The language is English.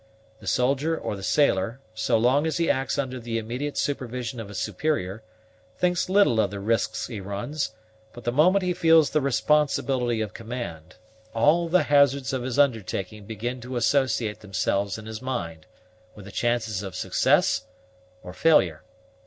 The soldier or the sailor, so long as he acts under the immediate supervision of a superior, thinks little of the risks he runs, but the moment he feels the responsibility of command, all the hazards of his undertaking begin to associate themselves in his mind: with the chances of success or failure.